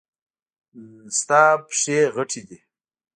د تا پښې غټي دي